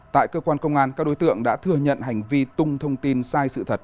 tại cơ quan công an các đối tượng đã thừa nhận hành vi tung thông tin sai sự thật